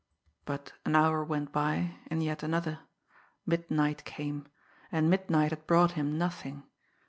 But an hour went by and yet another. Midnight came and midnight had brought him nothing.